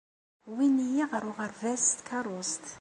Wwin-iyi ɣer uɣerbaz s tkeṛṛust.